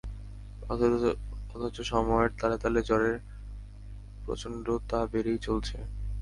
অথচ সময়ের তালে তালে জ্বরের প্রচণ্ড তা বেড়েই চলছে।